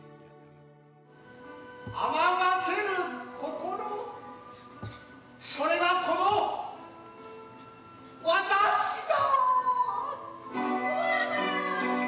天がける心、それがこの私だ。